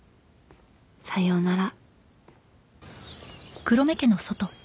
さようなら